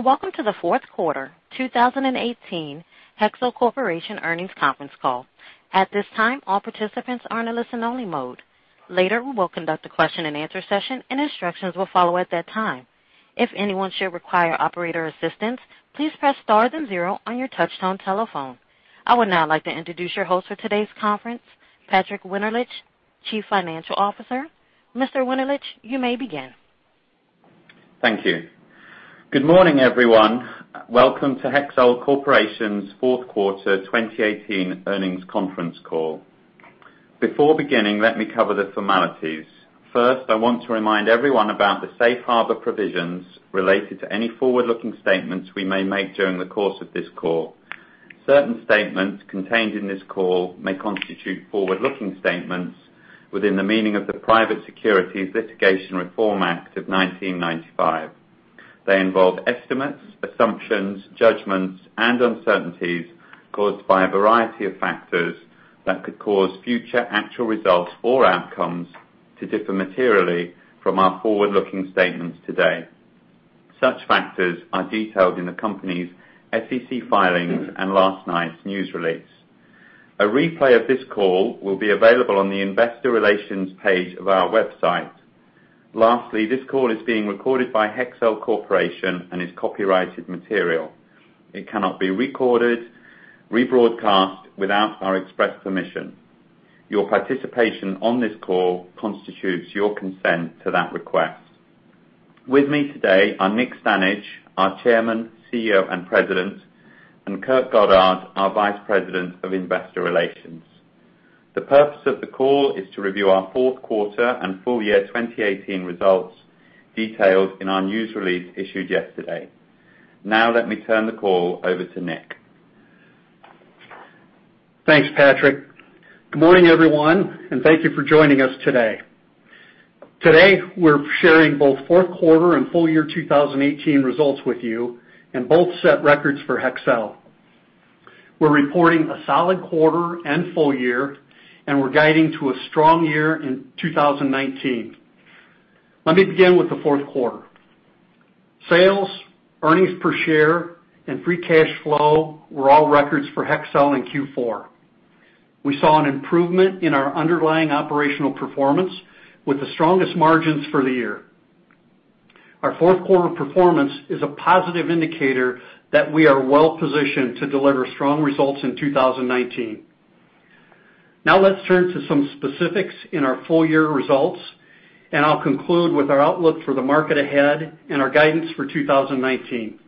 Good morning, welcome to the fourth quarter 2018 Hexcel Corporation Earnings Conference Call. At this time, all participants are in a listen only mode. Later, we will conduct a question and answer session, and instructions will follow at that time. If anyone should require operator assistance, please press star then zero on your touchtone telephone. I would now like to introduce your host for today's conference, Patrick Winterlich, Chief Financial Officer. Mr. Winterlich, you may begin. Thank you. Good morning, everyone. Welcome to Hexcel Corporation's fourth quarter 2018 earnings conference call. Before beginning, let me cover the formalities. First, I want to remind everyone about the safe harbor provisions related to any forward-looking statements we may make during the course of this call. Certain statements contained in this call may constitute forward-looking statements within the meaning of the Private Securities Litigation Reform Act of 1995. They involve estimates, assumptions, judgments, and uncertainties caused by a variety of factors that could cause future actual results or outcomes to differ materially from our forward-looking statements today. Such factors are detailed in the company's SEC filings and last night's news release. A replay of this call will be available on the investor relations page of our website. Lastly, this call is being recorded by Hexcel Corporation and is copyrighted material. It cannot be recorded, rebroadcast without our express permission. Your participation on this call constitutes your consent to that request. With me today are Nick Stanage, our Chairman, CEO, and President, and Kurt Goddard, our Vice President of Investor Relations. The purpose of the call is to review our fourth quarter and full year 2018 results detailed in our news release issued yesterday. Let me turn the call over to Nick. Thanks, Patrick. Good morning, everyone, thank you for joining us today. Today, we're sharing both fourth quarter and full year 2018 results with you, both set records for Hexcel. We're reporting a solid quarter and full year, we're guiding to a strong year in 2019. Let me begin with the fourth quarter. Sales, earnings per share, and free cash flow were all records for Hexcel in Q4. We saw an improvement in our underlying operational performance with the strongest margins for the year. Our fourth quarter performance is a positive indicator that we are well-positioned to deliver strong results in 2019. Let's turn to some specifics in our full year results, I'll conclude with our outlook for the market ahead and our guidance for 2019.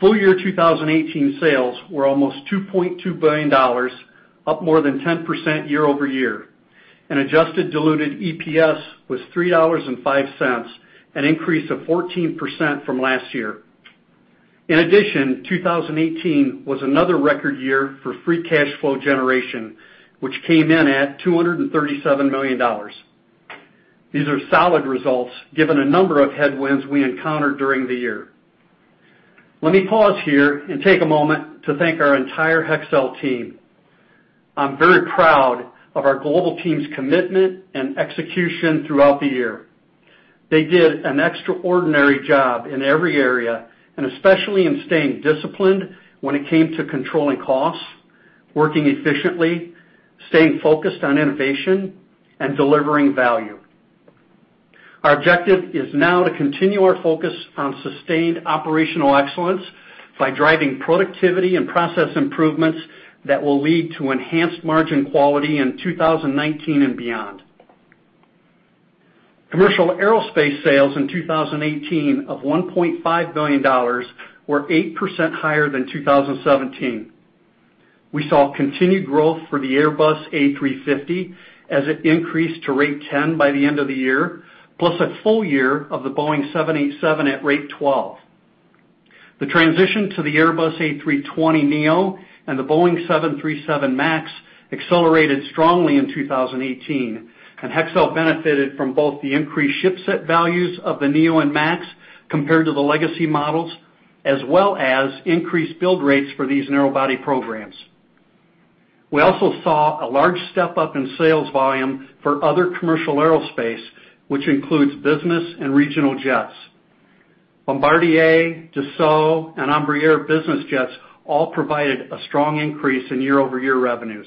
Full year 2018 sales were almost $2.2 billion, up more than 10% year-over-year. Adjusted diluted EPS was $3.05, an increase of 14% from last year. In addition, 2018 was another record year for free cash flow generation, which came in at $237 million. These are solid results given a number of headwinds we encountered during the year. Let me pause here and take a moment to thank our entire Hexcel team. I'm very proud of our global team's commitment and execution throughout the year. They did an extraordinary job in every area, especially in staying disciplined when it came to controlling costs, working efficiently, staying focused on innovation, and delivering value. Our objective is now to continue our focus on sustained operational excellence by driving productivity and process improvements that will lead to enhanced margin quality in 2019 and beyond. Commercial aerospace sales in 2018 of $1.5 billion were 8% higher than 2017. We saw continued growth for the Airbus A350 as it increased to rate 10 by the end of the year, plus a full year of the Boeing 787 at rate 12. The transition to the Airbus A320neo and the Boeing 737 MAX accelerated strongly in 2018. Hexcel benefited from both the increased ship set values of the neo and MAX compared to the legacy models, as well as increased build rates for these narrow body programs. We also saw a large step-up in sales volume for other commercial aerospace, which includes business and regional jets. Bombardier, Dassault, and Embraer Business Jets all provided a strong increase in year-over-year revenues.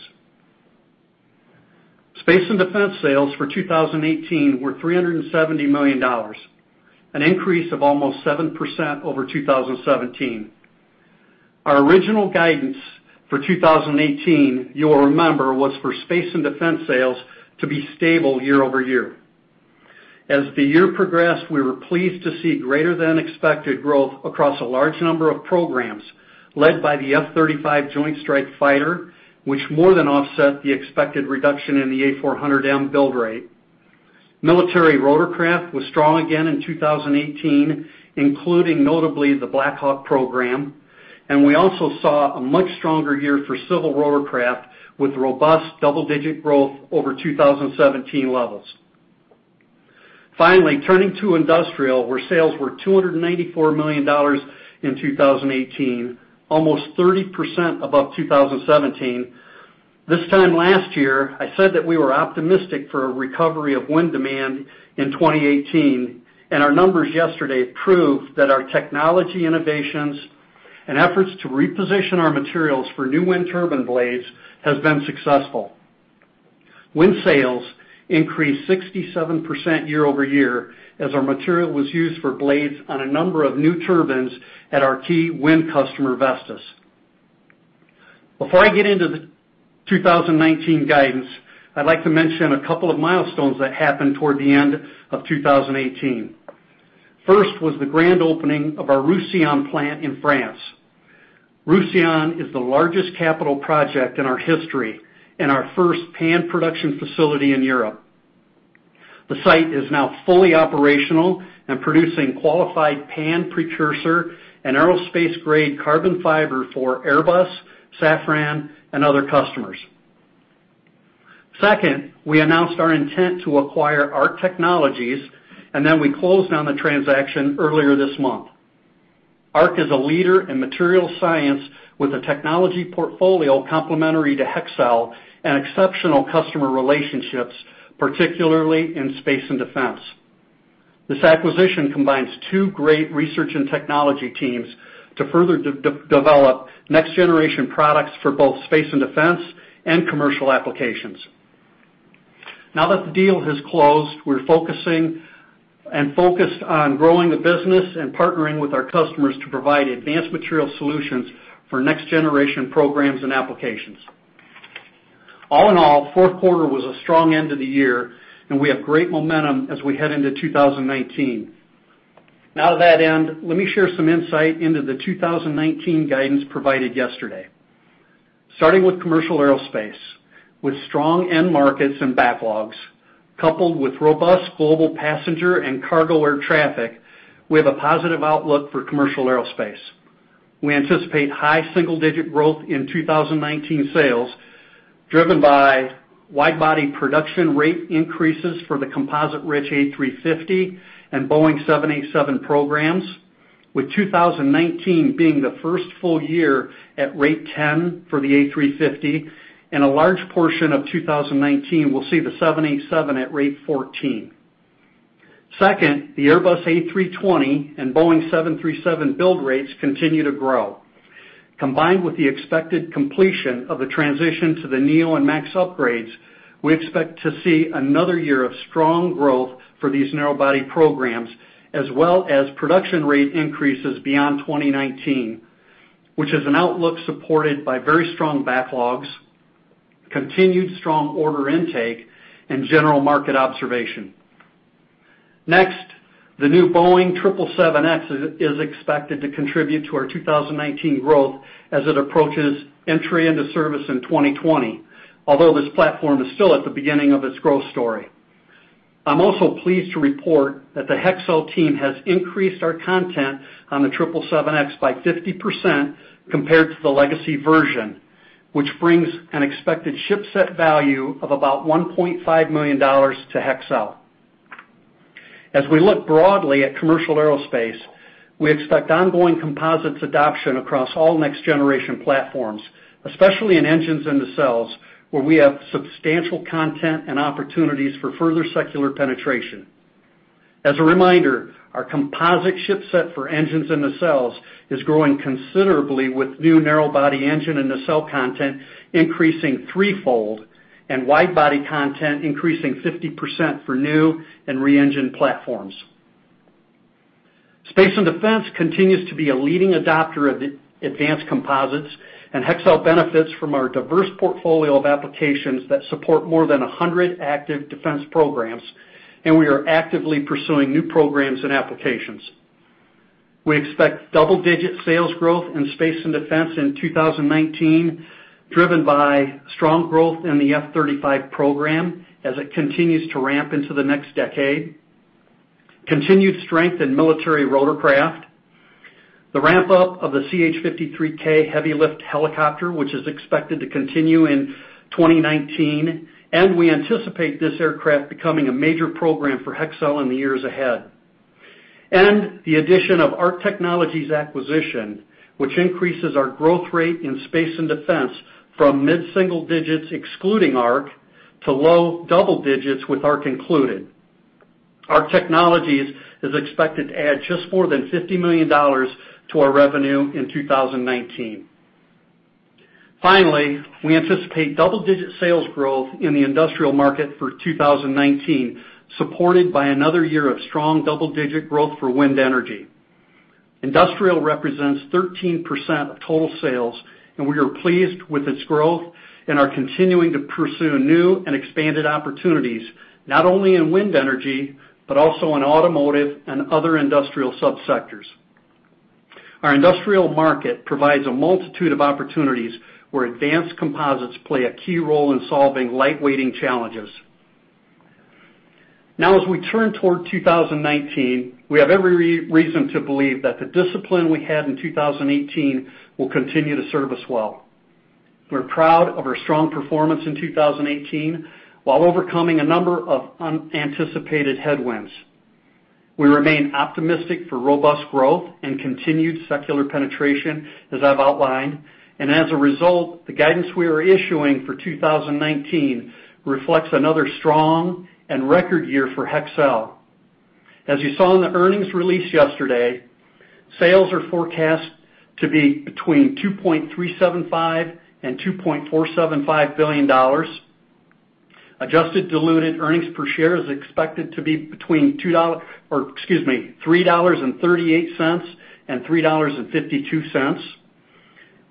Space and defense sales for 2018 were $370 million, an increase of almost 7% over 2017. Our original guidance for 2018, you will remember, was for space and defense sales to be stable year-over-year. As the year progressed, we were pleased to see greater than expected growth across a large number of programs led by the F-35 Joint Strike Fighter, which more than offset the expected reduction in the A400M build rate. Military rotorcraft was strong again in 2018, including notably the Black Hawk program. We also saw a much stronger year for civil rotorcraft with robust double-digit growth over 2017 levels. Finally, turning to industrial, where sales were $294 million in 2018, almost 30% above 2017. This time last year, I said that we were optimistic for a recovery of wind demand in 2018. Our numbers yesterday prove that our technology innovations and efforts to reposition our materials for new wind turbine blades has been successful. Wind sales increased 67% year-over-year as our material was used for blades on a number of new turbines at our key wind customer, Vestas. Before I get into the 2019 guidance, I'd like to mention a couple of milestones that happened toward the end of 2018. First was the grand opening of our Roussillon plant in France. Roussillon is the largest capital project in our history and our first PAN production facility in Europe. The site is now fully operational and producing qualified PAN precursor and aerospace-grade carbon fiber for Airbus, Safran, and other customers. Second, we announced our intent to acquire ARC Technologies. We closed on the transaction earlier this month. ARC is a leader in material science with a technology portfolio complementary to Hexcel and exceptional customer relationships, particularly in space and defense. This acquisition combines two great research and technology teams to further develop next-generation products for both space and defense and commercial applications. That the deal has closed, we're focused on growing the business and partnering with our customers to provide advanced material solutions for next-generation programs and applications. All in all, fourth quarter was a strong end to the year, and we have great momentum as we head into 2019. To that end, let me share some insight into the 2019 guidance provided yesterday. Starting with commercial aerospace, with strong end markets and backlogs, coupled with robust global passenger and cargo air traffic, we have a positive outlook for commercial aerospace. We anticipate high single-digit growth in 2019 sales, driven by wide-body production rate increases for the composite-rich A350 and Boeing 787 programs, with 2019 being the first full year at rate 10 for the A350, and a large portion of 2019 will see the 787 at rate 14. The Airbus A320 and Boeing 737 build rates continue to grow. Combined with the expected completion of the transition to the neo and MAX upgrades, we expect to see another year of strong growth for these narrow-body programs, as well as production rate increases beyond 2019, which is an outlook supported by very strong backlogs, continued strong order intake, and general market observation. The new Boeing 777X is expected to contribute to our 2019 growth as it approaches entry into service in 2020. Although this platform is still at the beginning of its growth story. I'm also pleased to report that the Hexcel team has increased our content on the 777X by 50% compared to the legacy version, which brings an expected ship-set value of about $1.5 million to Hexcel. As we look broadly at commercial aerospace, we expect ongoing composites adoption across all next-generation platforms, especially in engines and nacelles, where we have substantial content and opportunities for further secular penetration. As a reminder, our composite ship set for engines and nacelles is growing considerably with new narrow-body engine and nacelle content increasing threefold and wide-body content increasing 50% for new and re-engined platforms. Space and defense continues to be a leading adopter of advanced composites, and Hexcel benefits from our diverse portfolio of applications that support more than 100 active defense programs. We are actively pursuing new programs and applications. We expect double-digit sales growth in space and defense in 2019, driven by strong growth in the F-35 program as it continues to ramp into the next decade. Continued strength in military rotorcraft, the ramp-up of the CH-53K Heavy Lift helicopter, which is expected to continue in 2019. We anticipate this aircraft becoming a major program for Hexcel in the years ahead. The addition of ARC Technologies acquisition, which increases our growth rate in space and defense from mid-single digits excluding ARC to low double digits with ARC included. ARC Technologies is expected to add just more than $50 million to our revenue in 2019. We anticipate double-digit sales growth in the industrial market for 2019, supported by another year of strong double-digit growth for wind energy. Industrial represents 13% of total sales, we are pleased with its growth and are continuing to pursue new and expanded opportunities, not only in wind energy, but also in automotive and other industrial subsectors. Our industrial market provides a multitude of opportunities where advanced composites play a key role in solving lightweighting challenges. As we turn toward 2019, we have every reason to believe that the discipline we had in 2018 will continue to serve us well. We're proud of our strong performance in 2018 while overcoming a number of unanticipated headwinds. We remain optimistic for robust growth and continued secular penetration, as I've outlined. As a result, the guidance we are issuing for 2019 reflects another strong and record year for Hexcel. As you saw in the earnings release yesterday, sales are forecast to be between $2.375 billion and $2.475 billion. Adjusted diluted earnings per share is expected to be between $3.38 and $3.52.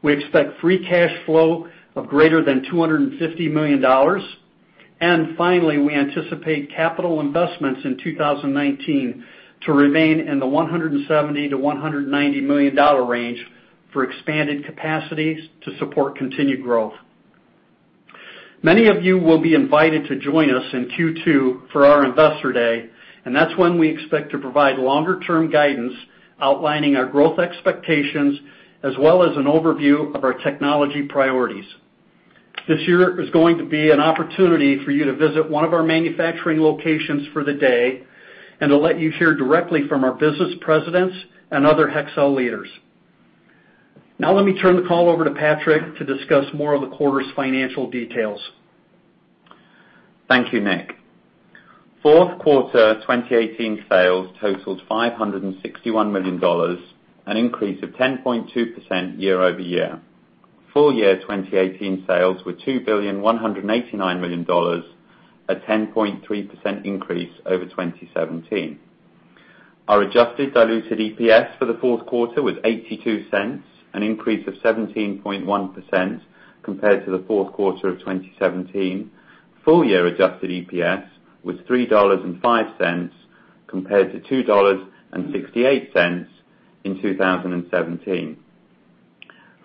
We expect free cash flow of greater than $250 million. Finally, we anticipate capital investments in 2019 to remain in the $170 million to $190 million range for expanded capacities to support continued growth. Many of you will be invited to join us in Q2 for our Investor Day, that's when we expect to provide longer term guidance outlining our growth expectations, as well as an overview of our technology priorities. This year is going to be an opportunity for you to visit one of our manufacturing locations for the day, and to let you hear directly from our business presidents and other Hexcel leaders. Let me turn the call over to Patrick to discuss more of the quarter's financial details. Thank you, Nick. Fourth quarter 2018 sales totaled $561 million, an increase of 10.2% year-over-year. Full year 2018 sales were $2,189 million, a 10.3% increase over 2017. Our adjusted diluted EPS for the fourth quarter was $0.82, an increase of 17.1% compared to the fourth quarter of 2017. Full year adjusted EPS was $3.05 compared to $2.68 in 2017.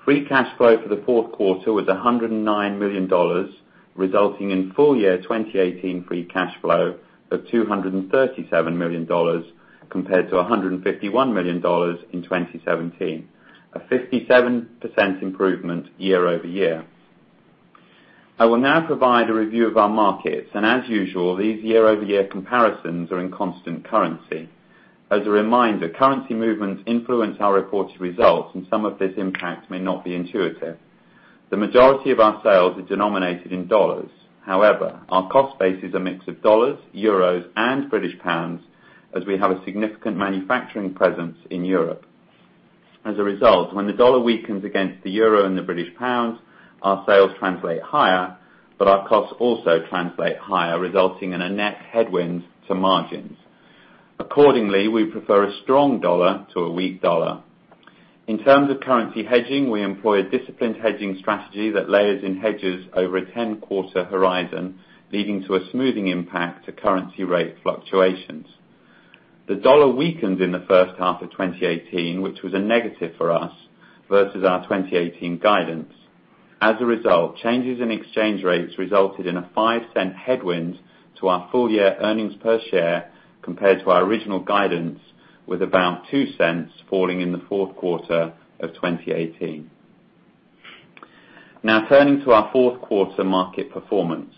Free cash flow for the fourth quarter was $109 million, resulting in full year 2018 free cash flow of $237 million, compared to $151 million in 2017, a 57% improvement year-over-year. I will now provide a review of our markets, as usual, these year-over-year comparisons are in constant currency. As a reminder, currency movements influence our reported results, some of this impact may not be intuitive. The majority of our sales are denominated in dollars. Our cost base is a mix of dollars, euros, and British pounds, as we have a significant manufacturing presence in Europe. When the dollar weakens against the euro and the British pound, our sales translate higher, but our costs also translate higher, resulting in a net headwind to margins. We prefer a strong dollar to a weak dollar. In terms of currency hedging, we employ a disciplined hedging strategy that layers in hedges over a 10-quarter horizon, leading to a smoothing impact to currency rate fluctuations. The dollar weakened in the first half of 2018, which was a negative for us versus our 2018 guidance. Changes in exchange rates resulted in a $0.05 headwind to our full year earnings per share, compared to our original guidance, with about $0.02 falling in the fourth quarter of 2018. Turning to our fourth quarter market performance.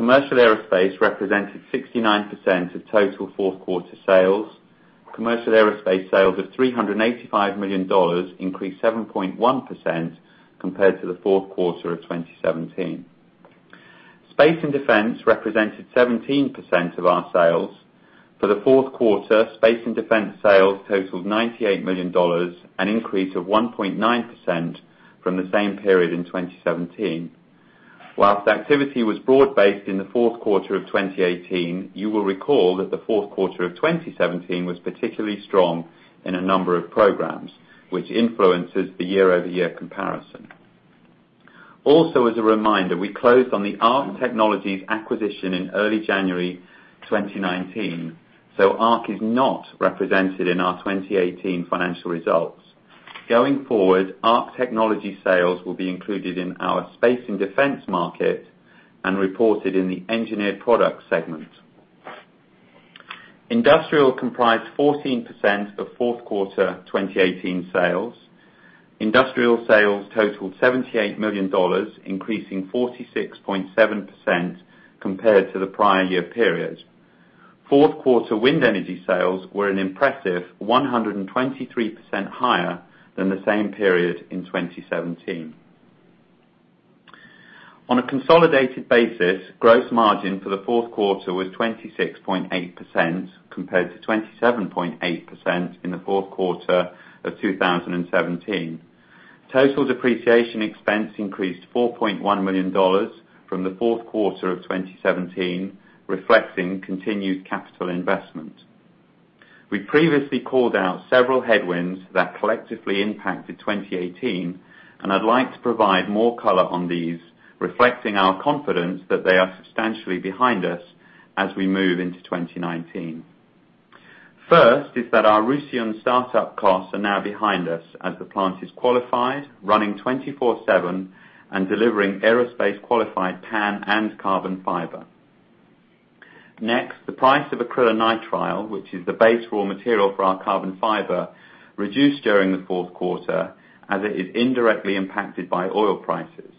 Commercial aerospace represented 69% of total fourth quarter sales. Commercial aerospace sales of $385 million increased 7.1% compared to the fourth quarter of 2017. Space and Defense represented 17% of our sales. For the fourth quarter, Space and Defense sales totaled $98 million, an increase of 1.9% from the same period in 2017. Whilst activity was broad-based in the fourth quarter of 2018, you will recall that the fourth quarter of 2017 was particularly strong in a number of programs, which influences the year-over-year comparison. As a reminder, we closed on the ARC Technologies acquisition in early January 2019, so ARC is not represented in our 2018 financial results. ARC Technologies sales will be included in our Space and Defense market and reported in the engineered products segment. Industrial comprised 14% of fourth quarter 2018 sales. Industrial sales totaled $78 million, increasing 46.7% compared to the prior year period. Fourth quarter wind energy sales were an impressive 123% higher than the same period in 2017. On a consolidated basis, gross margin for the fourth quarter was 26.8%, compared to 27.8% in the fourth quarter of 2017. Total depreciation expense increased $4.1 million from the fourth quarter of 2017, reflecting continued capital investment. We previously called out several headwinds that collectively impacted 2018, I'd like to provide more color on these, reflecting our confidence that they are substantially behind us as we move into 2019. First is that our Roussillon startup costs are now behind us as the plant is qualified, running 24/7, and delivering aerospace qualified PAN and carbon fiber. The price of acrylonitrile, which is the base raw material for our carbon fiber, reduced during the fourth quarter as it is indirectly impacted by oil prices.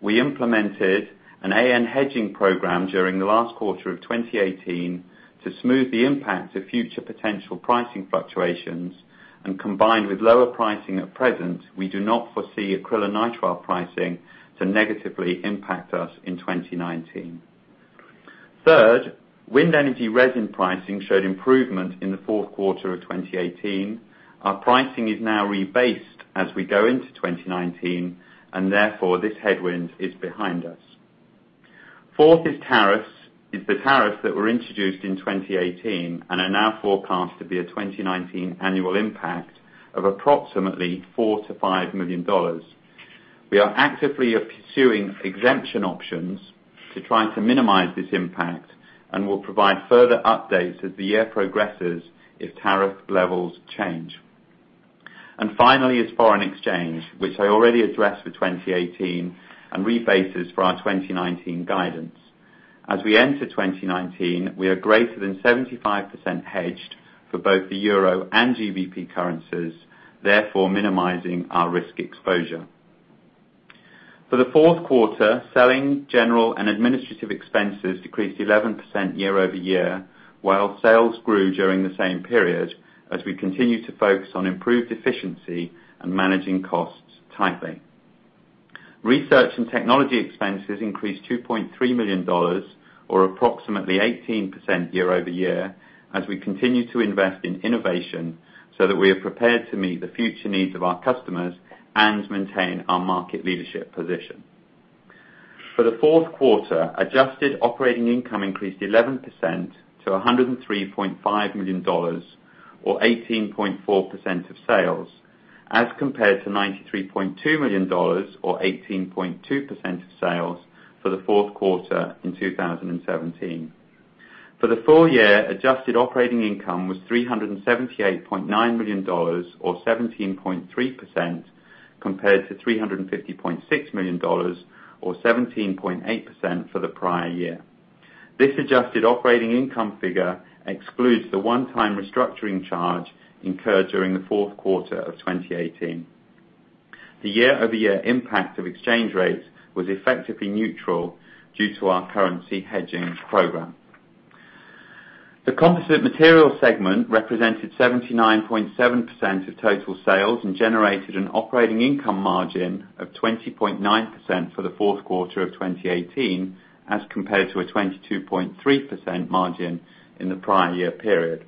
We implemented an AN hedging program during the last quarter of 2018 to smooth the impact of future potential pricing fluctuations, combined with lower pricing at present, we do not foresee acrylonitrile pricing to negatively impact us in 2019. Third, wind energy resin pricing showed improvement in the fourth quarter of 2018. Our pricing is now rebased as we go into 2019, and therefore, this headwind is behind us. The tariffs that were introduced in 2018 and are now forecast to be a 2019 annual impact of approximately $4 million-$5 million. We are actively pursuing exemption options to try to minimize this impact, will provide further updates as the year progresses if tariff levels change. Finally is foreign exchange, which I already addressed for 2018, and rebases for our 2019 guidance. We are greater than 75% hedged for both the euro and GBP currencies, therefore minimizing our risk exposure. For the fourth quarter, selling, general, and administrative expenses decreased 11% year-over-year, while sales grew during the same period as we continue to focus on improved efficiency and managing costs tightly. Research and technology expenses increased $2.3 million, or approximately 18% year-over-year, as we continue to invest in innovation so that we are prepared to meet the future needs of our customers and maintain our market leadership position. For the fourth quarter, adjusted operating income increased 11% to $103.5 million, or 18.4% of sales, as compared to $93.2 million or 18.2% of sales for the fourth quarter in 2017. For the full year, adjusted operating income was $378.9 million or 17.3%, compared to $350.6 million or 17.8% for the prior year. This adjusted operating income figure excludes the one-time restructuring charge incurred during the fourth quarter of 2018. The year-over-year impact of exchange rates was effectively neutral due to our currency hedging program. The Composite Materials segment represented 79.7% of total sales and generated an operating income margin of 20.9% for the fourth quarter of 2018 as compared to a 22.3% margin in the prior year period.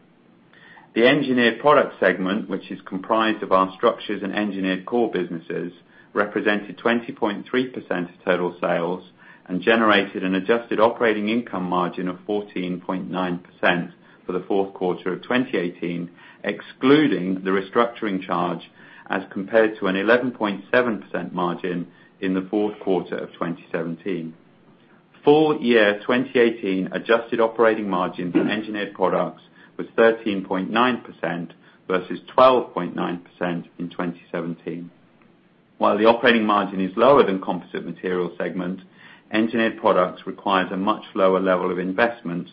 The Engineered Products segment, which is comprised of our structures and engineered core businesses, represented 20.3% of total sales and generated an adjusted operating income margin of 14.9% for the fourth quarter of 2018, excluding the restructuring charge as compared to an 11.7% margin in the fourth quarter of 2017. Full year 2018 adjusted operating margin for Engineered Products was 13.9% versus 12.9% in 2017. While the operating margin is lower than Composite Materials segment, Engineered Products requires a much lower level of investment,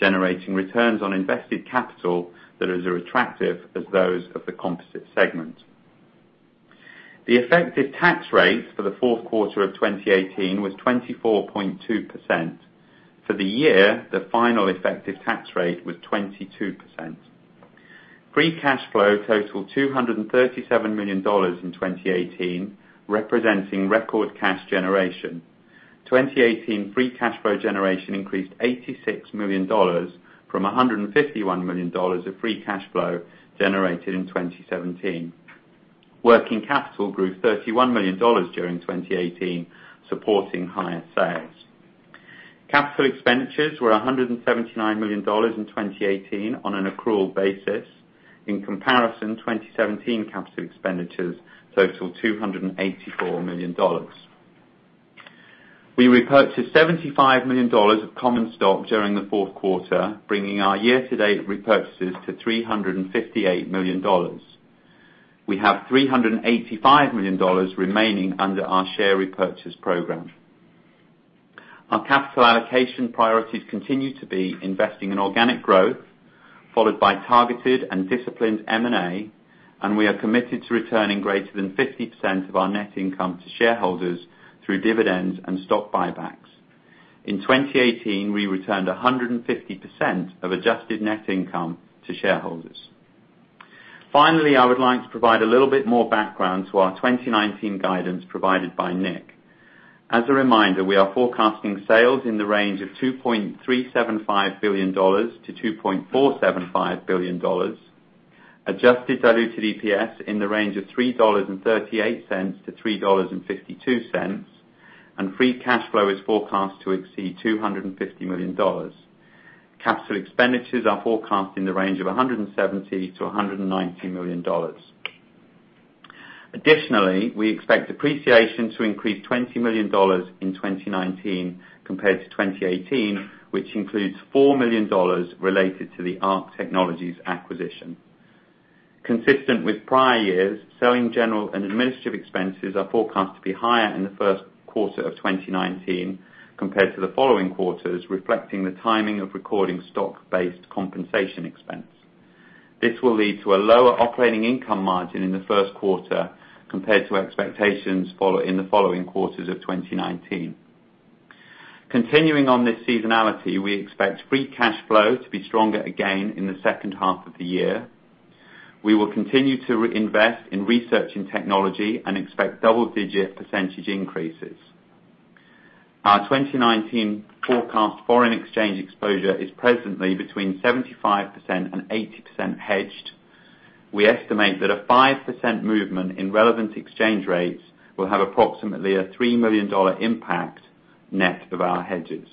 generating returns on invested capital that are as attractive as those of the Composite segment. The effective tax rate for the fourth quarter of 2018 was 24.2%. For the year, the final effective tax rate was 22%. Free cash flow totaled $237 million in 2018, representing record cash generation. 2018 free cash flow generation increased $86 million from $151 million of free cash flow generated in 2017. Working capital grew $31 million during 2018, supporting higher sales. Capital expenditures were $179 million in 2018 on an accrual basis. In comparison, 2017 capital expenditures totaled $284 million. We repurchased $75 million of common stock during the fourth quarter, bringing our year-to-date repurchases to $358 million. We have $385 million remaining under our share repurchase program. Our capital allocation priorities continue to be investing in organic growth, followed by targeted and disciplined M&A. We are committed to returning greater than 50% of our net income to shareholders through dividends and stock buybacks. In 2018, we returned 150% of adjusted net income to shareholders. Finally, I would like to provide a little bit more background to our 2019 guidance provided by Nick. As a reminder, we are forecasting sales in the range of $2.375 billion-$2.475 billion, adjusted diluted EPS in the range of $3.38-$3.52, and free cash flow is forecast to exceed $250 million. Capital expenditures are forecast in the range of $170 million-$190 million. Additionally, we expect depreciation to increase $20 million in 2019 compared to 2018, which includes $4 million related to the ARC Technologies acquisition. Consistent with prior years, selling, general, and administrative expenses are forecast to be higher in the first quarter of 2019 compared to the following quarters, reflecting the timing of recording stock-based compensation expense. This will lead to a lower operating income margin in the first quarter compared to expectations in the following quarters of 2019. Continuing on this seasonality, we expect free cash flow to be stronger again in the second half of the year. We will continue to invest in research and technology and expect double-digit percentage increases. Our 2019 forecast foreign exchange exposure is presently between 75% and 80% hedged. We estimate that a 5% movement in relevant exchange rates will have approximately a $3 million impact net of our hedges.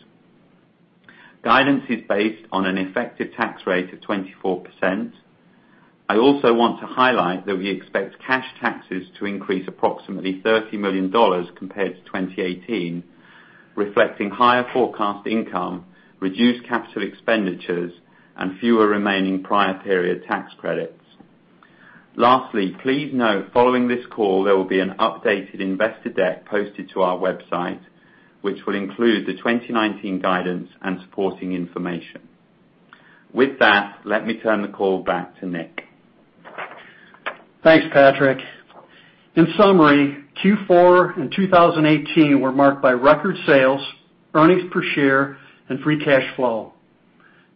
Guidance is based on an effective tax rate of 24%. I also want to highlight that we expect cash taxes to increase approximately $30 million compared to 2018, reflecting higher forecast income, reduced capital expenditures, and fewer remaining prior period tax credits. Lastly, please note, following this call, there will be an updated investor deck posted to our website, which will include the 2019 guidance and supporting information. With that, let me turn the call back to Nick. Thanks, Patrick. In summary, Q4 and 2018 were marked by record sales, earnings per share, and free cash flow.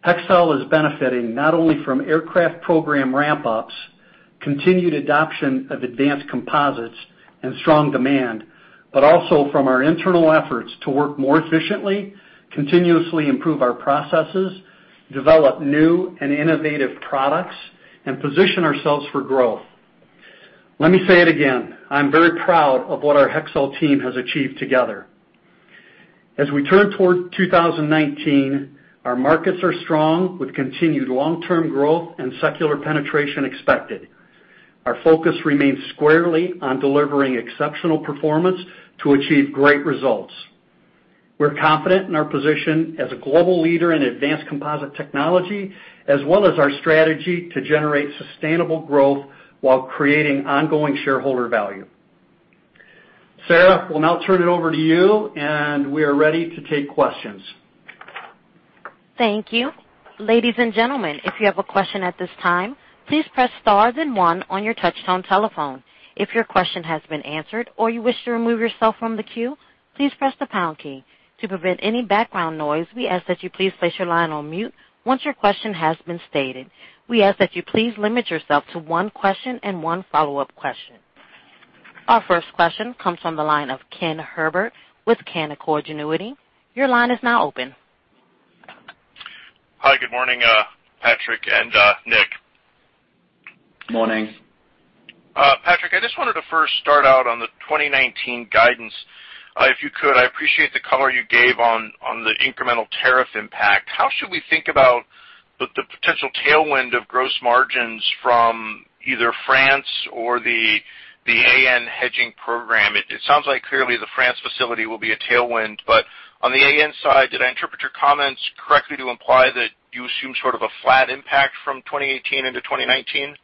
Hexcel is benefiting not only from aircraft program ramp-ups, continued adoption of advanced composites and strong demand, but also from our internal efforts to work more efficiently, continuously improve our processes, develop new and innovative products, and position ourselves for growth. Let me say it again. I'm very proud of what our Hexcel team has achieved together. As we turn toward 2019, our markets are strong with continued long-term growth and secular penetration expected. Our focus remains squarely on delivering exceptional performance to achieve great results. We're confident in our position as a global leader in advanced composite technology, as well as our strategy to generate sustainable growth while creating ongoing shareholder value. Sarah, we'll now turn it over to you, and we are ready to take questions. Thank you. Ladies and gentlemen, if you have a question at this time, please press star then one on your touchtone telephone. If your question has been answered or you wish to remove yourself from the queue, please press the pound key. To prevent any background noise, we ask that you please place your line on mute once your question has been stated. We ask that you please limit yourself to one question and one follow-up question. Our first question comes from the line of Ken Herbert with Canaccord Genuity. Your line is now open. Hi, good morning, Patrick and Nick. Morning. Patrick, I just wanted to first start out on the 2019 guidance, if you could. I appreciate the color you gave on the incremental tariff impact. How should we think about the potential tailwind of gross margins from either France or the AN hedging program? It sounds like clearly the France facility will be a tailwind, but on the AN side, did I interpret your comments correctly to imply that you assume sort of a flat impact from 2018 into 2019? Yes,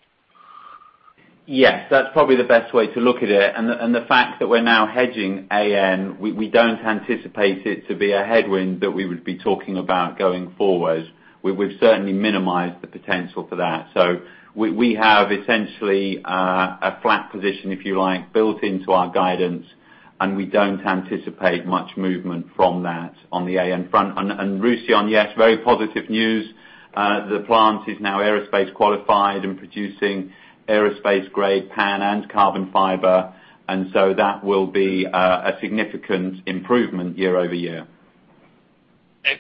that's probably the best way to look at it. The fact that we're now hedging AN, we don't anticipate it to be a headwind that we would be talking about going forward. We've certainly minimized the potential for that. We have essentially a flat position, if you like, built into our guidance, and we don't anticipate much movement from that on the AN front. Roussillon, yes, very positive news. The plant is now aerospace qualified and producing aerospace-grade PAN and carbon fiber, and so that will be a significant improvement year-over-year.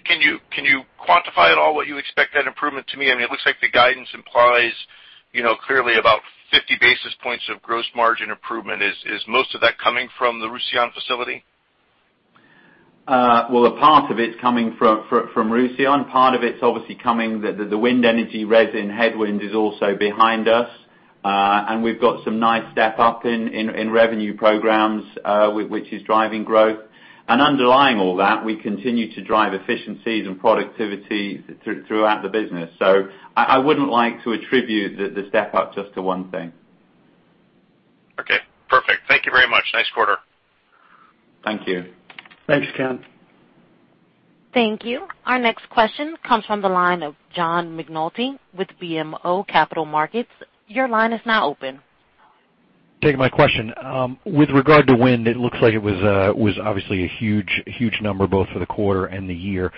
Can you quantify at all what you expect that improvement to mean? It looks like the guidance implies clearly about 50 basis points of gross margin improvement. Is most of that coming from the Roussillon facility? Well, a part of it's coming from Roussillon. Part of it's obviously coming, the wind energy resin headwind is also behind us. We've got some nice step-up in revenue programs, which is driving growth. Underlying all that, we continue to drive efficiencies and productivity throughout the business. I wouldn't like to attribute the step-up just to one thing. Okay, perfect. Thank you very much. Nice quarter. Thank you. Thanks, Ken. Thank you. Our next question comes from the line of John McNulty with BMO Capital Markets. Your line is now open. Thank you. My question, with regard to wind, it looks like it was obviously a huge number both for the quarter and the year.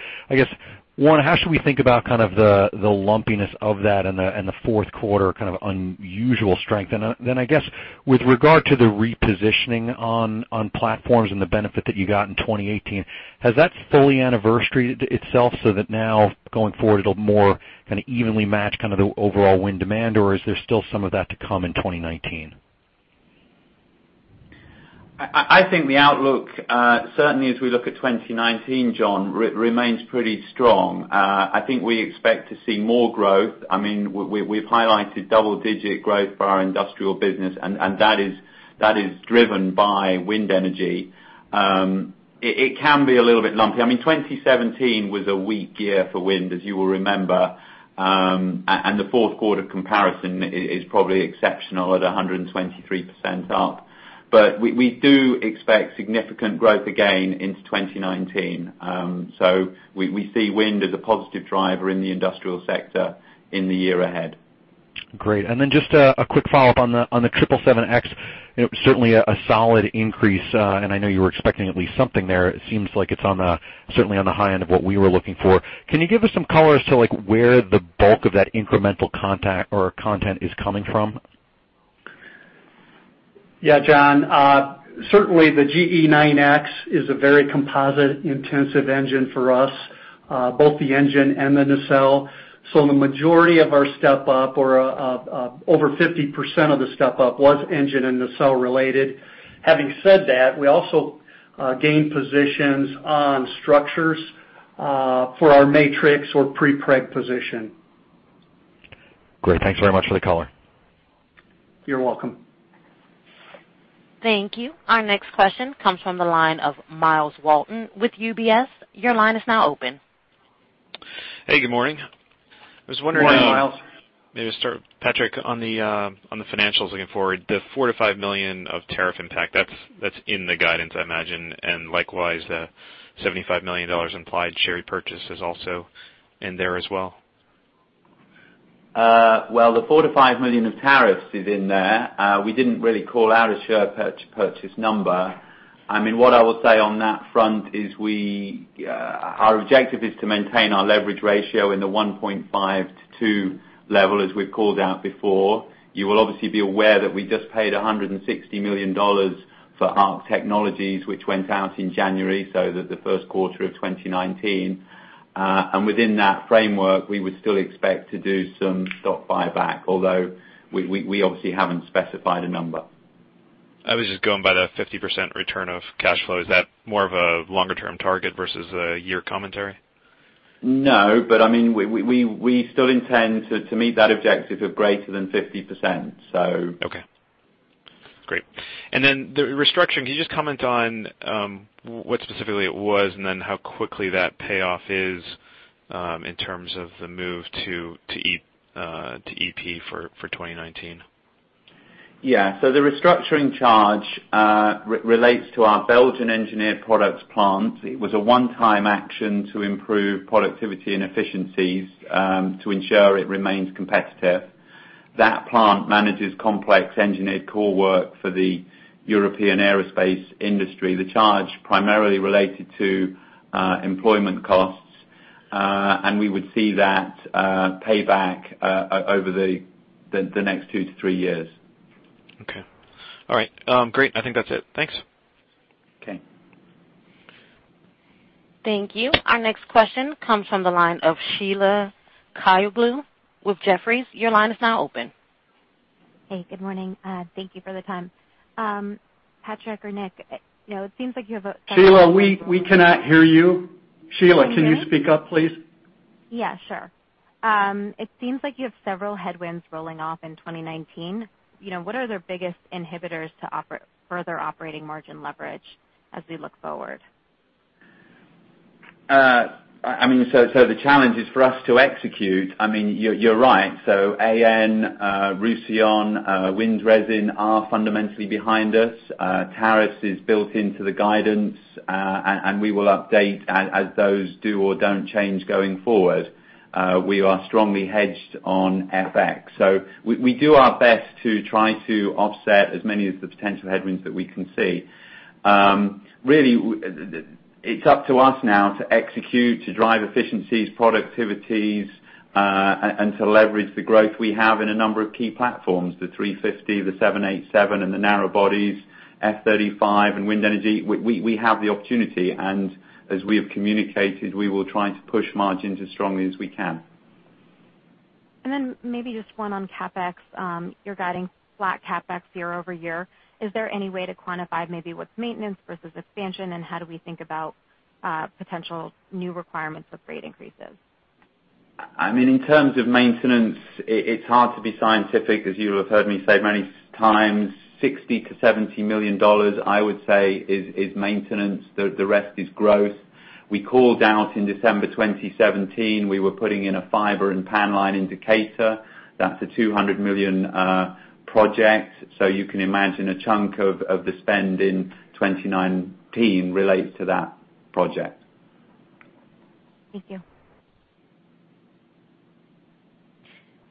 I guess, one, how should we think about the lumpiness of that and the fourth quarter unusual strength? Then, I guess, with regard to the repositioning on platforms and the benefit that you got in 2018, has that fully anniversaried itself so that now going forward, it'll more evenly match the overall wind demand, or is there still some of that to come in 2019? The outlook, certainly as we look at 2019, John, remains pretty strong. We expect to see more growth. We've highlighted double-digit growth for our industrial business, and that is driven by wind energy. It can be a little bit lumpy. 2017 was a weak year for wind, as you will remember. The fourth quarter comparison is probably exceptional at 123% up. We do expect significant growth again into 2019. We see wind as a positive driver in the industrial sector in the year ahead. Great. Just a quick follow-up on the 777X. Certainly a solid increase, and I know you were expecting at least something there. It seems like it's certainly on the high end of what we were looking for. Can you give us some color as to where the bulk of that incremental content is coming from? Yeah, John. Certainly, the GE9X is a very composite-intensive engine for us, both the engine and the nacelle. The majority of our step-up or over 50% of the step-up was engine and nacelle related. Having said that, we also gained positions on structures for our matrix or pre-preg position. Great. Thanks very much for the color. You're welcome. Thank you. Our next question comes from the line of Myles Walton with UBS. Your line is now open. Hey, good morning. I was wondering- Morning, Myles. -to start, Patrick, on the financials looking forward, the $4 million of tariff impact, that's in the guidance, I imagine. Likewise, the $75 million implied share purchases also in there as well. Well, the $4 million of tariffs is in there. We didn't really call out a share purchase number. What I will say on that front is our objective is to maintain our leverage ratio in the 1.5x-2x level, as we've called out before. You will obviously be aware that we just paid $160 million for ARC Technologies, which went out in January, so the first quarter of 2019. Within that framework, we would still expect to do some stock buyback, although we obviously haven't specified a number. I was just going by the 50% return of cash flow. Is that more of a longer-term target versus a year commentary? No, we still intend to meet that objective of greater than 50%. Okay. Great. Then the restructuring, can you just comment on what specifically it was and then how quickly that payoff is in terms of the move to EP for 2019? Yeah. The restructuring charge relates to our Belgian engineered products plant. It was a one-time action to improve productivity and efficiencies to ensure it remains competitive. That plant manages complex engineered core work for the European aerospace industry. The charge primarily related to employment costs. We would see that payback over the next two to three years. Okay. All right. Great. I think that's it. Thanks. Okay. Thank you. Our next question comes from the line of Sheila Kahyaoglu with Jefferies. Your line is now open. Hey, good morning. Thank you for the time. Patrick or Nick, it seems like you have- Sheila, we cannot hear you. Sheila, can you speak up, please? Yeah, sure. It seems like you have several headwinds rolling off in 2019. What are the biggest inhibitors to further operating margin leverage as we look forward? The challenge is for us to execute. You're right. AN, Roussillon, Wind Resin are fundamentally behind us. Tariffs is built into the guidance, and we will update as those do or don't change going forward. We are strongly hedged on FX. We do our best to try to offset as many of the potential headwinds that we can see. Really, it's up to us now to execute, to drive efficiencies, productivities, and to leverage the growth we have in a number of key platforms, the A350, the 787, and the narrow bodies, F-35 and wind energy. We have the opportunity, and as we have communicated, we will try to push margins as strongly as we can. Maybe just one on CapEx. You're guiding flat CapEx year-over-year. Is there any way to quantify maybe what's maintenance versus expansion? How do we think about potential new requirements with rate increases? In terms of maintenance, it's hard to be scientific, as you have heard me say many times. $60 million-$70 million, I would say, is maintenance. The rest is growth. We called out in December 2017, we were putting in a fiber and PAN line in Decatur. That's a $200 million project. You can imagine a chunk of the spend in 2019 relates to that project. Thank you.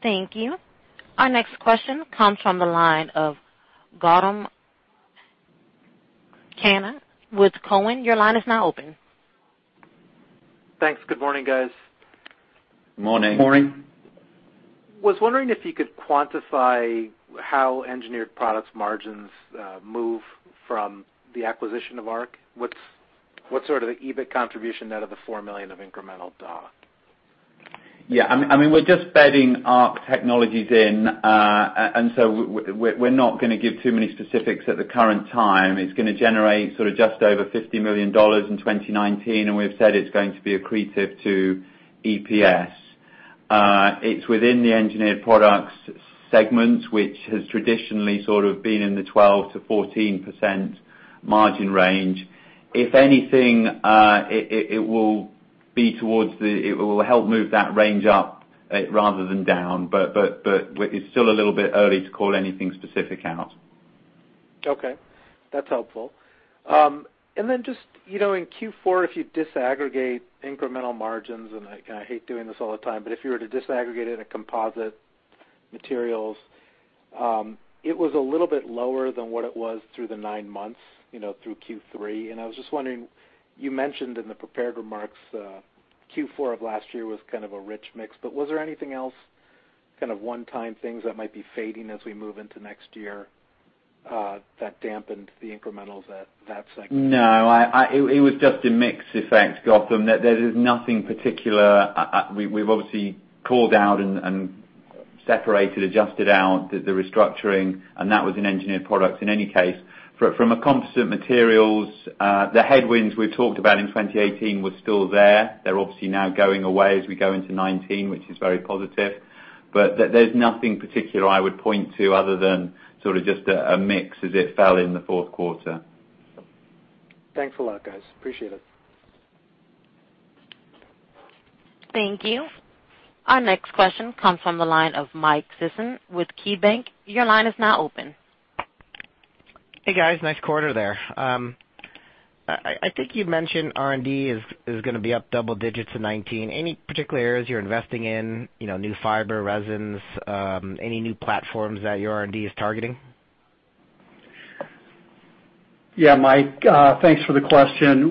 Thank you. Our next question comes from the line of Gautam Khanna with Cowen. Your line is now open. Thanks. Good morning, guys. Morning. Morning. I was wondering if you could quantify how Engineered Products margins move from the acquisition of ARC. What's sort of the EBIT contribution net of the $4 million of incremental D&A? Yeah. We're just bedding ARC Technologies in. We're not going to give too many specifics at the current time. It's going to generate just over $50 million in 2019. We've said it's going to be accretive to EPS. It's within the Engineered Products segment, which has traditionally been in the 12%-14% margin range. If anything, it will help move that range up rather than down. It's still a little bit early to call anything specific out. Okay, that's helpful. In Q4, if you disaggregate incremental margins, I hate doing this all the time, but if you were to disaggregate it in composite materials, it was a little bit lower than what it was through the nine months through Q3. I was just wondering, you mentioned in the prepared remarks, Q4 of last year was kind of a rich mix, but was there anything else, kind of one-time things that might be fading as we move into next year, that dampened the incrementals at that segment? No, it was just a mix effect, Gautam. There is nothing particular. We've obviously called out and separated, adjusted out the restructuring, and that was in Engineered Products in any case. From a composite materials, the headwinds we talked about in 2018 were still there. They're obviously now going away as we go into 2019, which is very positive. There's nothing particular I would point to other than sort of just a mix as it fell in the fourth quarter. Thanks a lot, guys. Appreciate it. Thank you. Our next question comes from the line of Mike Sison with KeyBank. Your line is now open. Hey, guys. Nice quarter there. I think you mentioned R&D is going to be up double digits in 2019. Any particular areas you're investing in, new fiber resins? Any new platforms that your R&D is targeting? Mike, thanks for the question.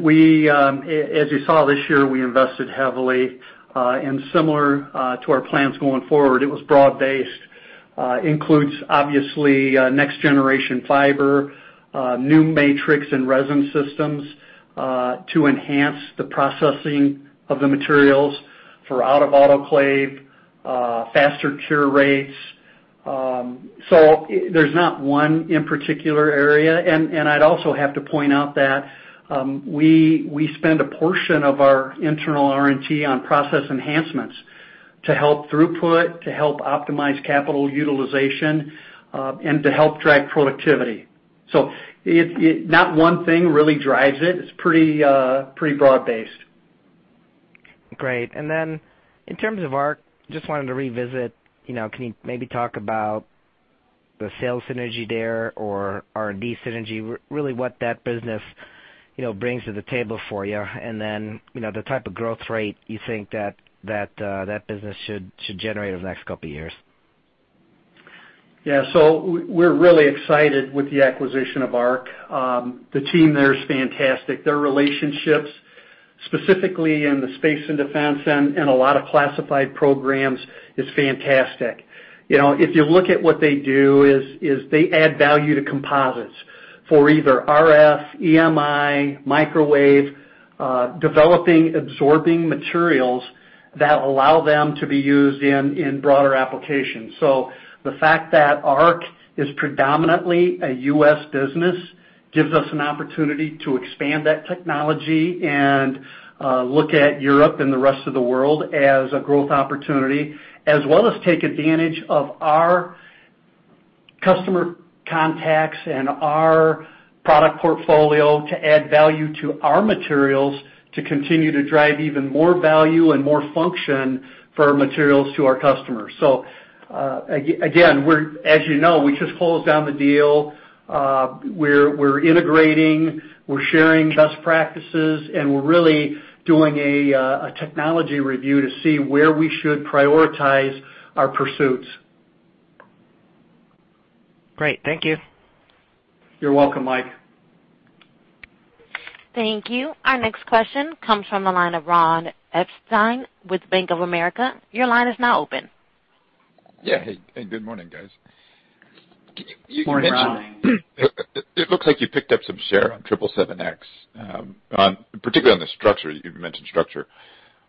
As you saw this year, we invested heavily, and similar to our plans going forward, it was broad-based. Includes, obviously, next generation fiber, new matrix and resin systems, to enhance the processing of the materials for out-of-autoclave, faster cure rates. There's not one in particular area. I'd also have to point out that we spend a portion of our internal R&D on process enhancements to help throughput, to help optimize capital utilization, and to help drive productivity. Not one thing really drives it. It's pretty broad based. Great. In terms of ARC, just wanted to revisit, can you maybe talk about the sales synergy there or R&D synergy, really what that business brings to the table for you, and then the type of growth rate you think that business should generate over the next couple of years? We're really excited with the acquisition of ARC. The team there is fantastic. Their relationships, specifically in the space and defense and a lot of classified programs, is fantastic. If you look at what they do, is they add value to composites for either RF, EMI, microwave, developing absorbing materials that allow them to be used in broader applications. The fact that ARC is predominantly a U.S. business gives us an opportunity to expand that technology and look at Europe and the rest of the world as a growth opportunity, as well as take advantage of our customer contacts and our product portfolio to add value to our materials to continue to drive even more value and more function for our materials to our customers. Again, as you know, we just closed down the deal. We're integrating, we're sharing best practices, and we're really doing a technology review to see where we should prioritize our pursuits. Great. Thank you. You're welcome, Mike. Thank you. Our next question comes from the line of Ron Epstein with Bank of America. Your line is now open. Yeah. Hey, good morning, guys. Morning, Ron. It looks like you picked up some share on 777X, particularly on the structure. You mentioned structure.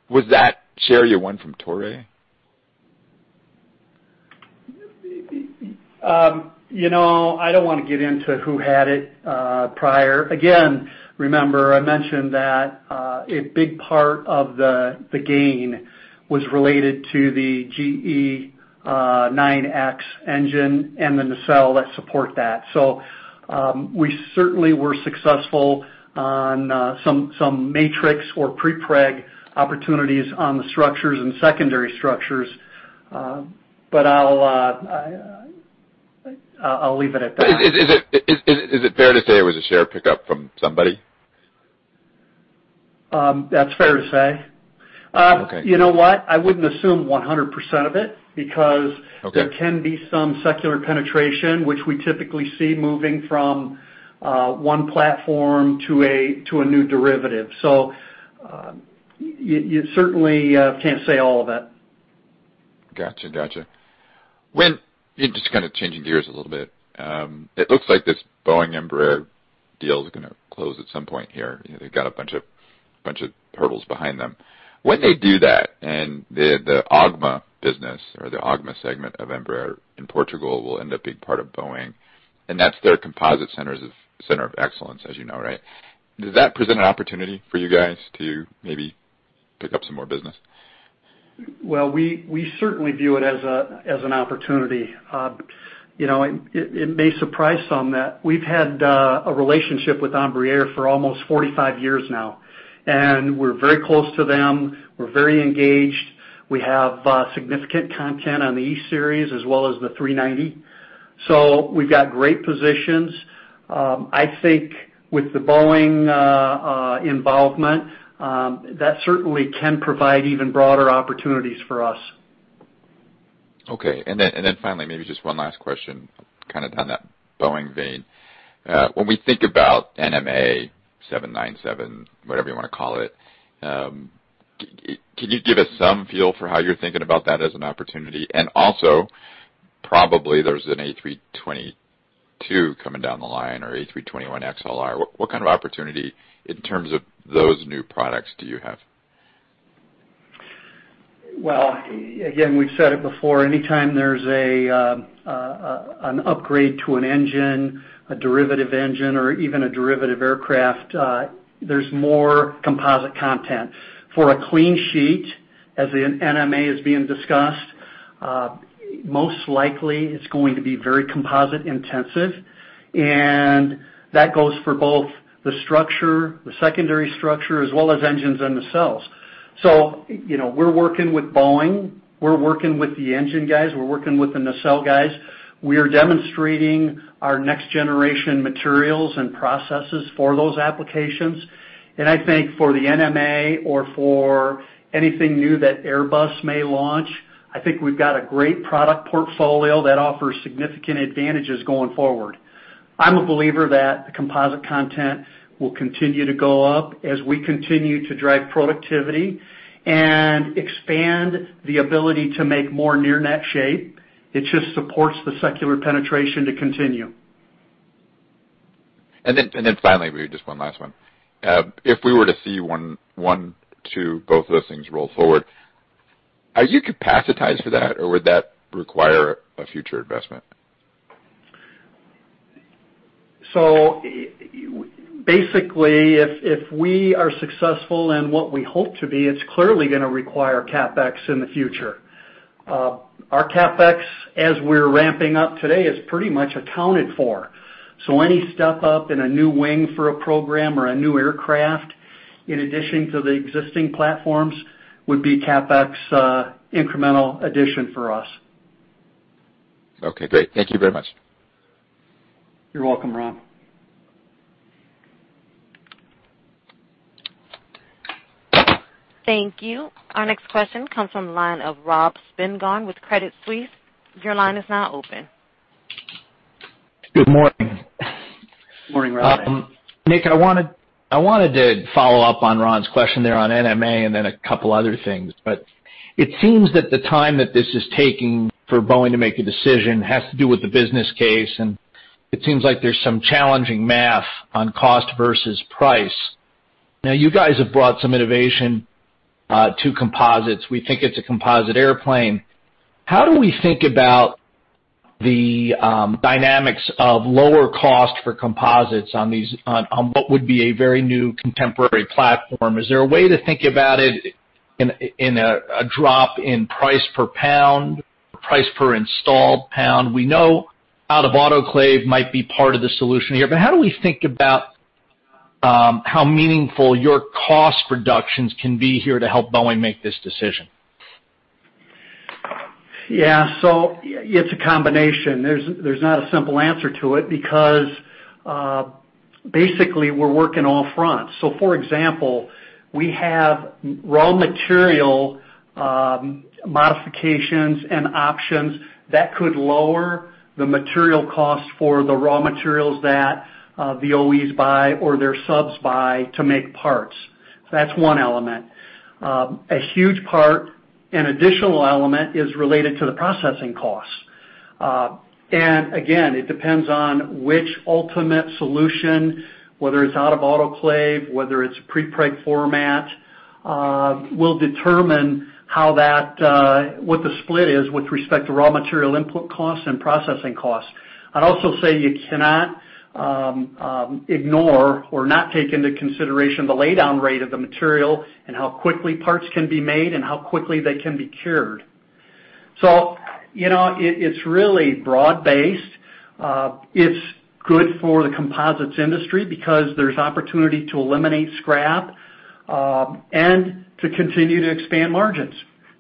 Was that share you won from Toray? I don't want to get into who had it prior. Again, remember, I mentioned that a big part of the gain was related to the GE9X engine and the nacelle that support that. We certainly were successful on some matrix or pre-preg opportunities on the structures and secondary structures. I'll leave it at that. Is it fair to say it was a share pick up from somebody? That's fair to say. Okay. You know what? I wouldn't assume 100% of it. Okay There can be some secular penetration, which we typically see moving from one platform to a new derivative. You certainly can't say all of it. Gotcha. Just kind of changing gears a little bit. It looks like this Boeing Embraer deal is going to close at some point here. They've got a bunch of hurdles behind them. When they do that and the OGMA business or the OGMA segment of Embraer in Portugal will end up being part of Boeing, and that's their composite center of excellence, as you know, right? Does that present an opportunity for you guys to maybe pick up some more business? We certainly view it as an opportunity. It may surprise some that we've had a relationship with Embraer for almost 45 years now, and we're very close to them. We're very engaged. We have significant content on the E Series as well as the 390. We've got great positions. I think with the Boeing involvement, that certainly can provide even broader opportunities for us. Okay. Finally, maybe just one last question, kind of down that Boeing vein. When we think about NMA, 797, whatever you want to call it, can you give us some feel for how you're thinking about that as an opportunity? Also, probably there's an A322 coming down the line or A321XLR. What kind of opportunity in terms of those new products do you have? Again, we've said it before, anytime there's an upgrade to an engine, a derivative engine, or even a derivative aircraft, there's more composite content. For a clean sheet, as the NMA is being discussed, most likely it's going to be very composite intensive, and that goes for both the structure, the secondary structure, as well as engines and the nacelles. We're working with Boeing, we're working with the engine guys, we're working with the nacelle guys. We are demonstrating our next generation materials and processes for those applications. I think for the NMA or for anything new that Airbus may launch, I think we've got a great product portfolio that offers significant advantages going forward. I'm a believer that the composite content will continue to go up as we continue to drive productivity and expand the ability to make more near net shape. It just supports the secular penetration to continue. Finally, maybe just one last one. If we were to see one, two, both of those things roll forward, are you capacitized for that, or would that require a future investment? Basically, if we are successful in what we hope to be, it's clearly going to require CapEx in the future. Our CapEx, as we're ramping up today, is pretty much accounted for. Any step up in a new wing for a program or a new aircraft, in addition to the existing platforms, would be CapEx incremental addition for us. Okay, great. Thank you very much. You're welcome, Ron. Thank you. Our next question comes from the line of Rob Spingarn with Credit Suisse. Your line is now open. Good morning. Morning, Rob. Nick, I wanted to follow up on Ron's question there on NMA and then a couple other things. It seems that the time that this is taking for Boeing to make a decision has to do with the business case, and it seems like there's some challenging math on cost versus price. Now, you guys have brought some innovation to composites. We think it's a composite airplane. How do we think about the dynamics of lower cost for composites on what would be a very new contemporary platform? Is there a way to think about it in a drop in price per pound, price per installed pound? We know out-of-autoclave might be part of the solution here, but how do we think about how meaningful your cost reductions can be here to help Boeing make this decision? Yeah. It's a combination. There's not a simple answer to it because, basically, we're working all fronts. For example, we have raw material modifications and options that could lower the material cost for the raw materials that the OEs buy or their subs buy to make parts. That's one element. A huge part, an additional element is related to the processing cost. Again, it depends on which ultimate solution, whether it's out-of-autoclave, whether it's pre-preg format, will determine what the split is with respect to raw material input costs and processing costs. I'd also say you cannot ignore or not take into consideration the lay-down rate of the material and how quickly parts can be made and how quickly they can be cured. It's really broad-based. It's good for the composites industry because there's opportunity to eliminate scrap and to continue to expand margins.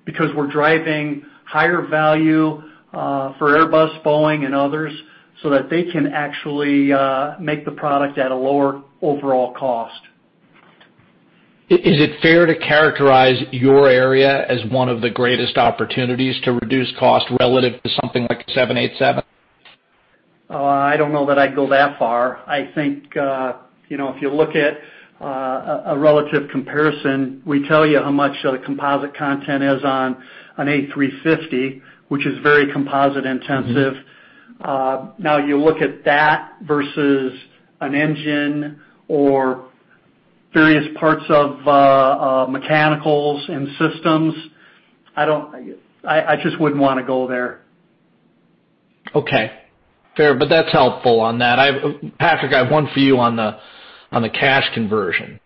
Because we're driving higher value for Airbus, Boeing, and others so that they can actually make the product at a lower overall cost. Is it fair to characterize your area as one of the greatest opportunities to reduce cost relative to something like a 787? I don't know that I'd go that far. I think, if you look at a relative comparison, we tell you how much the composite content is on an A350, which is very composite intensive. You look at that versus an engine or various parts of mechanicals and systems. I just wouldn't want to go there. Okay. Fair. That's helpful on that. Patrick, I have one for you on the cash conversion.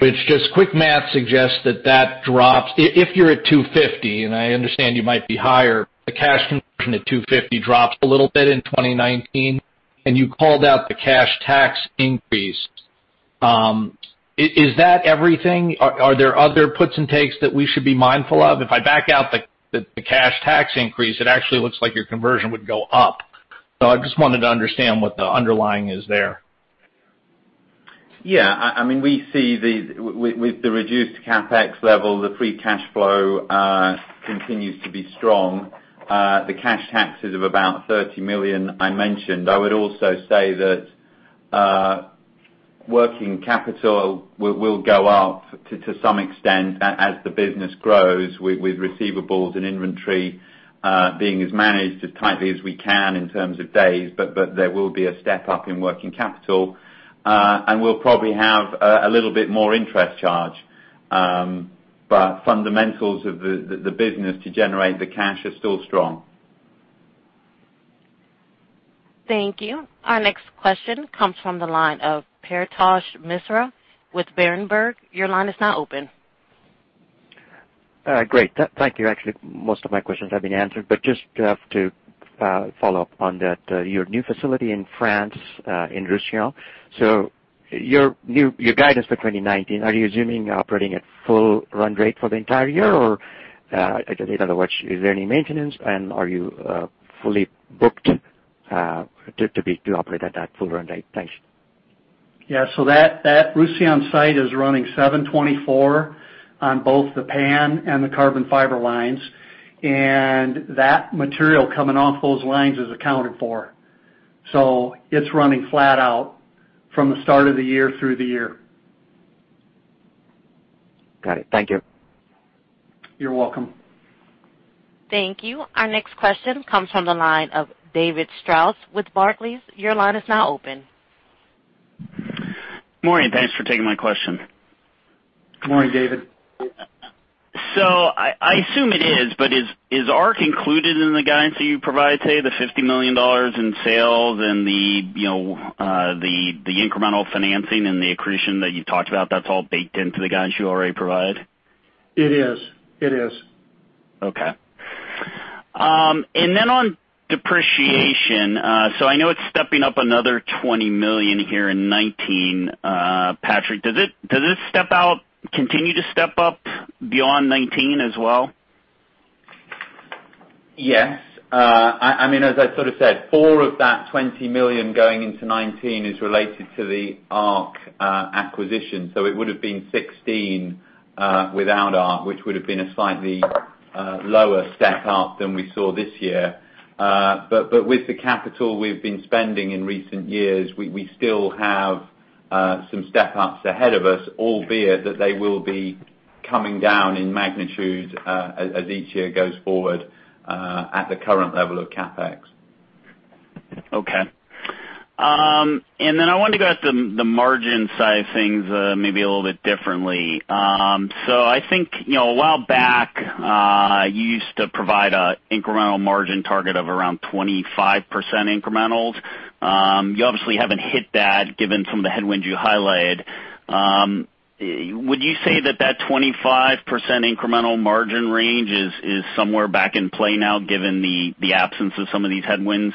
Which just quick math suggests that that drops, if you're at 250, and I understand you might be higher, the cash conversion at 250 drops a little bit in 2019, and you called out the cash tax increase. Is that everything? Are there other puts and takes that we should be mindful of? If I back out the cash tax increase, it actually looks like your conversion would go up. I just wanted to understand what the underlying is there. Yeah. We see with the reduced CapEx level, the free cash flow continues to be strong. The cash taxes of about $30 million, I mentioned. I would also say that working capital will go up to some extent as the business grows with receivables and inventory being as managed as tightly as we can in terms of days. There will be a step-up in working capital. We'll probably have a little bit more interest charge. Fundamentals of the business to generate the cash are still strong. Thank you. Our next question comes from the line of Paretosh Misra with Berenberg. Your line is now open. Great. Thank you. Actually, most of my questions have been answered, but just to follow up on that, your new facility in France, in Roussillon. Your guidance for 2019, are you assuming operating at full run rate for the entire year, or is there any maintenance, and are you fully booked to operate at that full run rate? Thanks. Yeah. That Roussillon site is running 7/24 on both the PAN and the carbon fiber lines, and that material coming off those lines is accounted for. It's running flat out from the start of the year through the year. Got it. Thank you. You're welcome. Thank you. Our next question comes from the line of David Strauss with Barclays. Your line is now open. Morning. Thanks for taking my question. Morning, David. I assume it is, but is ARC included in the guidance that you provided today, the $50 million in sales and the incremental financing and the accretion that you talked about, that's all baked into the guidance you already provide? It is. Okay. On depreciation, I know it's stepping up another $20 million here in 2019. Patrick, does this step up continue to step up beyond 2019 as well? Yes. As I sort of said, all of that $20 million going into 2019 is related to the ARC acquisition. It would've been $16 million without ARC, which would've been a slightly lower step up than we saw this year. With the capital we've been spending in recent years, we still have some step-ups ahead of us, albeit that they will be coming down in magnitude as each year goes forward, at the current level of CapEx. Okay. I wanted to go at the margin side of things maybe a little bit differently. I think, a while back, you used to provide an incremental margin target of around 25% incrementals. You obviously haven't hit that given some of the headwinds you highlighted. Would you say that that 25% incremental margin range is somewhere back in play now given the absence of some of these headwinds?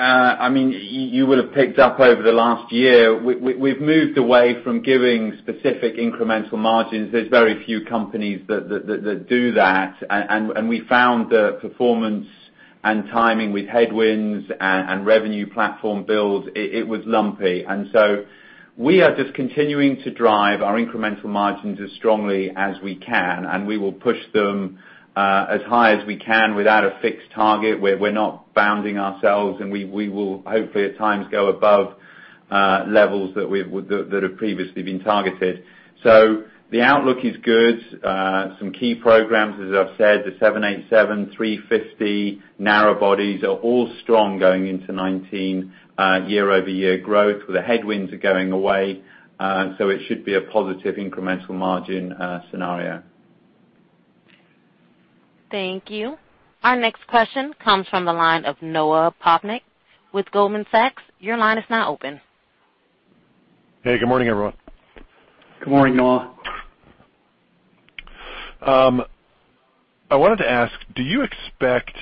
You will have picked up over the last year, we've moved away from giving specific incremental margins. There's very few companies that do that. We found that performance and timing with headwinds and revenue platform build, it was lumpy. We are just continuing to drive our incremental margins as strongly as we can, and we will push them as high as we can without a fixed target, where we're not bounding ourselves, and we will hopefully at times go above levels that have previously been targeted. The outlook is good. Some key programs, as I've said, the 787, A350 narrow bodies are all strong going into 2019 year-over-year growth, where the headwinds are going away. It should be a positive incremental margin scenario. Thank you. Our next question comes from the line of Noah Poponak with Goldman Sachs. Your line is now open. Hey, good morning, everyone. Good morning, Noah. I wanted to ask, do you expect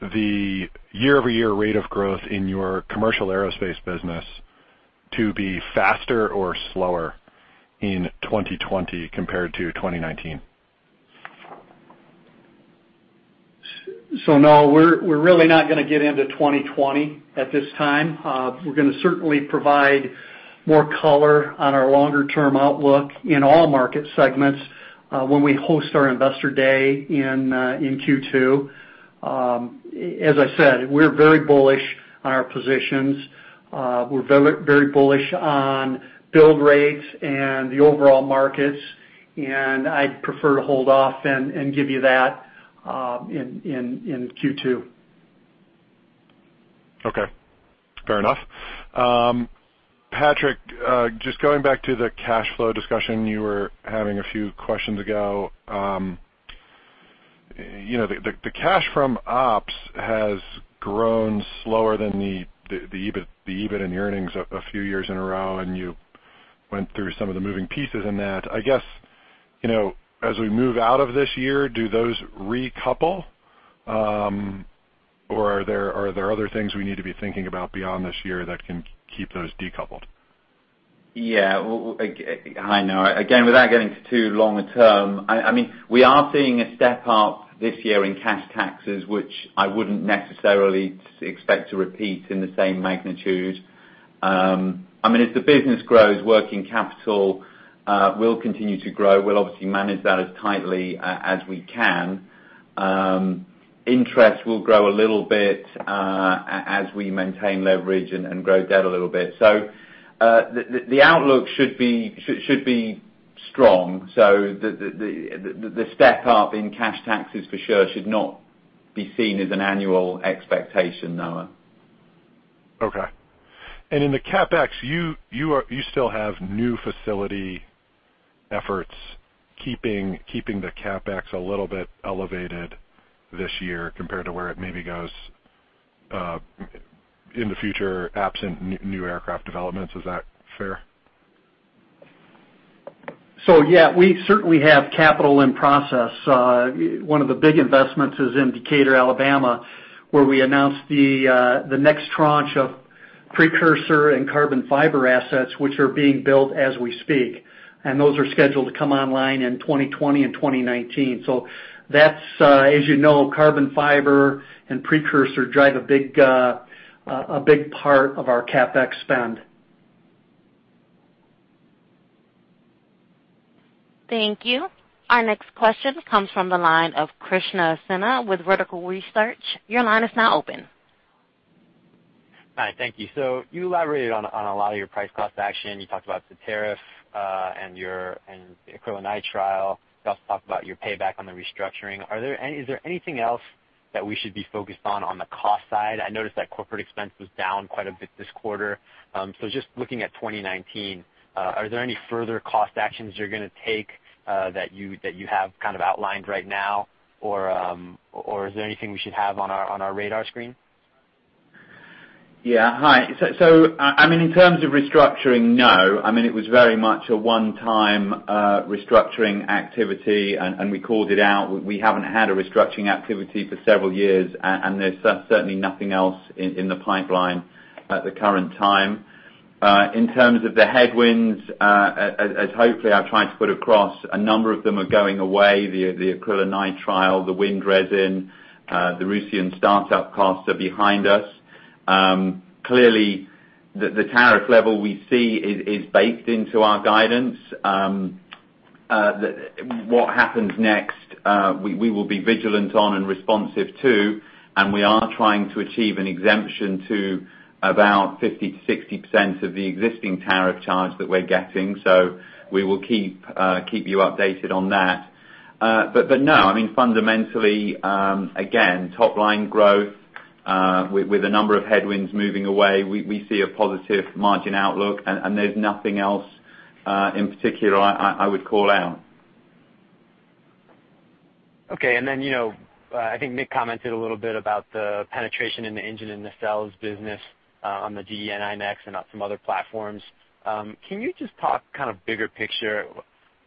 the year-over-year rate of growth in your commercial aerospace business to be faster or slower in 2020 compared to 2019? No, we're really not going to get into 2020 at this time. We're going to certainly provide more color on our longer-term outlook in all market segments, when we host our Investor Day in Q2. As I said, we're very bullish on our positions. We're very bullish on build rates and the overall markets, I'd prefer to hold off and give you that in Q2. Okay. Fair enough. Patrick, just going back to the cash flow discussion you were having a few questions ago. The cash from ops has grown slower than the EBIT and earnings a few years in a row. You went through some of the moving pieces in that. I guess, as we move out of this year, do those recouple? Are there other things we need to be thinking about beyond this year that can keep those decoupled? Well, hi, Noah. Again, without getting too longer term, we are seeing a step up this year in cash taxes, which I wouldn't necessarily expect to repeat in the same magnitude. As the business grows, working capital will continue to grow. We'll obviously manage that as tightly as we can. Interest will grow a little bit as we maintain leverage and grow debt a little bit. The outlook should be strong so the step up in cash taxes for sure should not be seen as an annual expectation, Noah. Okay. In the CapEx, you still have new facility efforts keeping the CapEx a little bit elevated this year compared to where it maybe goes in the future absent new aircraft developments. Is that fair? Yeah, we certainly have capital in process. One of the big investments is in Decatur, Alabama, where we announced the next tranche of precursor and carbon fiber assets which are being built as we speak. Those are scheduled to come online in 2020 and 2019. That's, as you know, carbon fiber and precursor drive a big part of our CapEx spend. Thank you. Our next question comes from the line of Krishna Sinha with Vertical Research. Your line is now open. Hi, thank you. You elaborated on a lot of your price cost action. You talked about the tariff and acrylonitrile trial. You also talked about your payback on the restructuring. Is there anything else that we should be focused on on the cost side? I noticed that corporate expense was down quite a bit this quarter. Just looking at 2019, are there any further cost actions you're going to take that you have outlined right now? Is there anything we should have on our radar screen? Yeah. Hi. In terms of restructuring, no. It was very much a one-time restructuring activity and we called it out. We haven't had a restructuring activity for several years and there's certainly nothing else in the pipeline at the current time. In terms of the headwinds, as hopefully I've tried to put across, a number of them are going away. The acrylonitrile trial, the wind resin, the Roussillon startup costs are behind us. Clearly the tariff level we see is baked into our guidance. What happens next, we will be vigilant on and responsive to and we are trying to achieve an exemption to about 50%-60% of the existing tariff charge that we're getting. We will keep you updated on that. No, fundamentally again, top line growth with a number of headwinds moving away, we see a positive margin outlook and there's nothing else in particular I would call out. Okay. Then I think Nick commented a little bit about the penetration in the engine in nacelles business on the [inaudible] and some other platforms. Can you just talk bigger picture?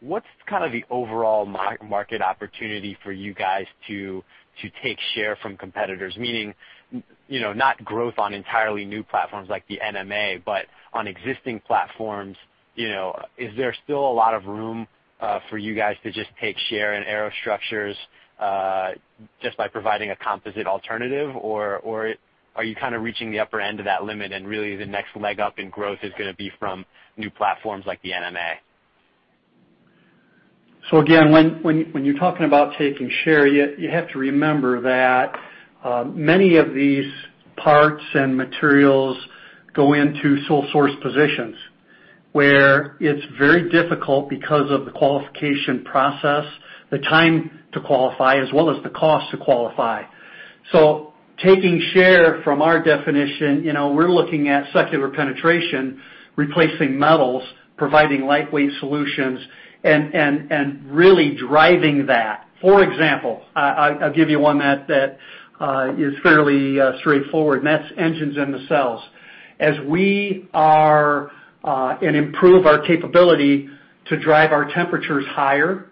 What's the overall market opportunity for you guys to take share from competitors? Meaning not growth on entirely new platforms like the NMA, but on existing platforms, is there still a lot of room for you guys to just take share in aerostructures just by providing a composite alternative or are you reaching the upper end of that limit and really the next leg up in growth is going to be from new platforms like the NMA? Again, when you're talking about taking share, you have to remember that many of these parts and materials go into sole-source positions where it's very difficult because of the qualification process, the time to qualify as well as the cost to qualify. Taking share from our definition, we're looking at secular penetration, replacing metals, providing lightweight solutions and really driving that. For example, I'll give you one that is fairly straightforward and that's engines in nacelles. As we improve our capability to drive our temperatures higher